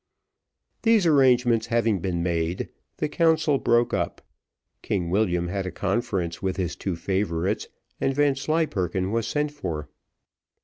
These arrangements having been made, the council broke up, King William had a conference with his two favourites, and Vanslyperken was sent for.